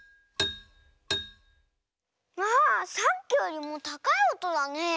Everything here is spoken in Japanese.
あさっきよりもたかいおとだね。